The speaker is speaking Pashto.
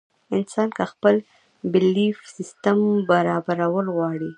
انسان کۀ خپل بيليف سسټم برابرول غواړي